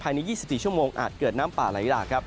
ใน๒๔ชั่วโมงอาจเกิดน้ำป่าไหลหลากครับ